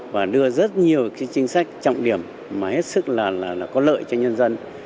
và đưa rất nhiều cái chính sách trọng điểm mà hết sức là có lợi cho nhân dân